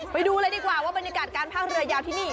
ไปดูเลยดีกว่าว่าบรรยากาศการพากเรือยาวที่นี่